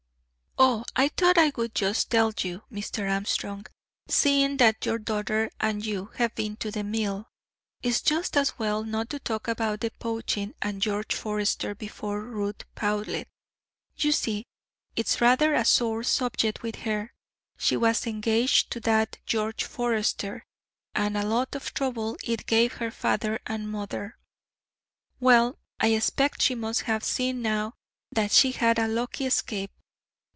"Oh, I thought I would just tell you, Mr. Armstrong, seeing that your daughter and you have been to the Mill, it's just as well not to talk about the poaching and George Forester before Ruth Powlett. You see, it's rather a sore subject with her. She was engaged to that George Forester, and a lot of trouble it gave her father and mother. Well, I expect she must have seen now that she had a lucky escape.